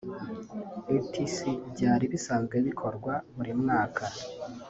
etc) byari bisanzwe bikorwa buri mwaka